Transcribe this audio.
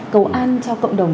cầu an cho cộng đồng